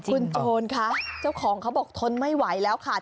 คุณโจรคะเจ้าของเขาบอกทนไม่ไหวแล้วค่ะ